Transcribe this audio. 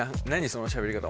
そのしゃべり方」